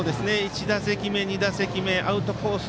１打席目、２打席目アウトコース